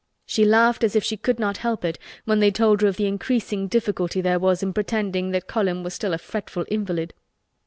She laughed as if she could not help it when they told her of the increasing difficulty there was in pretending that Colin was still a fretful invalid.